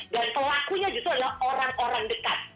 dan pelakunya justru adalah orang orang dekat